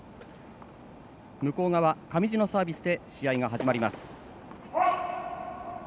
向こう側、上地のサービスで試合開始。